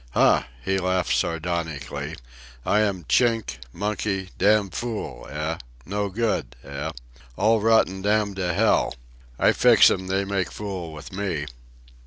"Huh!" he laughed sardonically. "I am Chink, monkey, damn fool, eh?—no good, eh? all rotten damn to hell. I fix 'em, they make fool with me."